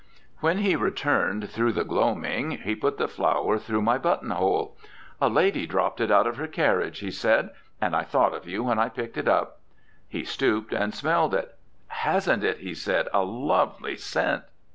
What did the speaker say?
When he returned through the gloaming he put the flower through my buttonhole. "A lady dropped it out of her carriage," he said; "and I thought of you when I picked it up." He stooped and smelled it. "Hasn't it," he said, "a lovely scent?"